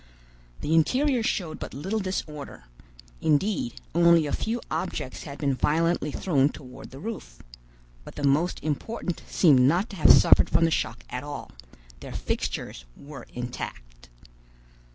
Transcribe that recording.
The interior showed but little disorder; indeed, only a few objects had been violently thrown toward the roof; but the most important seemed not to have suffered from the shock at all; their fixtures were intact.